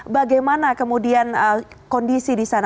bagaimana kemudian kondisi di sana